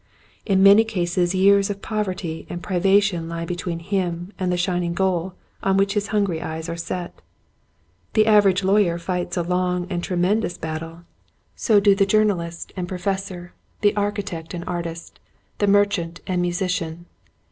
In many cases years of poverty and pri vation He between him and the shining goal on which his hungry eyes are set. The average lawyer fights a long and tremendous battle — so do the journalist The Man of Macedonia. 23 and professor, the architect and artist, the merchant and musician.